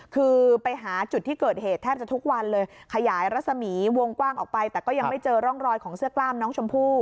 คือไปหาจุดที่เกิดเหตุแทบจะทุกวันเลยขยายรัศมีวงกว้างออกไปแต่ก็ยังไม่เจอร่องรอยของเสื้อกล้ามน้องชมพู่